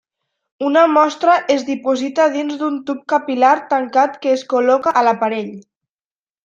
Una mostra es diposita dins d'un tub capil·lar tancat que es col·loca a l'aparell.